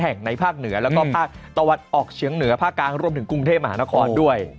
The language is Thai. แห่งในภาคเหนือแล้วก็ภาคตะวันออกเฉียงเหนือภาคกลางรวมถึงกรุงเทพมหานครด้วย